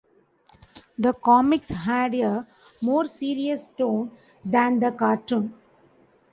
The comics had a more serious tone than the cartoon.